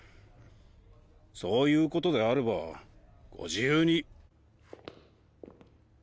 そういうことであればご自由に。